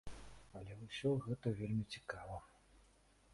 Але ўсё гэта вельмі цікава.